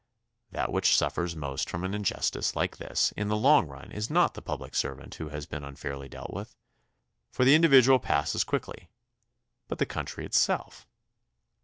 That which suffers most from an injustice like this in the long run is not the public servant who has been unfairly dealt with, for the individual passes quickly, but the country itself.